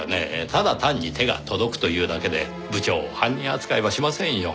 ただ単に手が届くというだけで部長を犯人扱いはしませんよ。